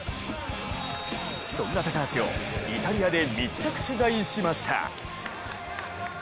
そんな高橋をイタリアで密着取材しました。